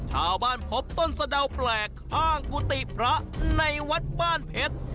พบต้นสะดาวแปลกข้างกุฏิพระในวัดบ้านเพชร